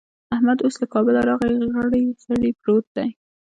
احمد اوس له کابله راغی؛ غړي غړي پروت دی.